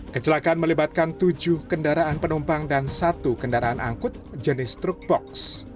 kecelakaan melibatkan tujuh kendaraan penumpang dan satu kendaraan angkut jenis truk box